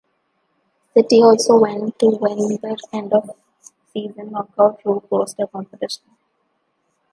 City also went on to win the end of season knockout Roope Rooster competition.